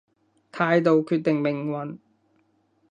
態度決定命運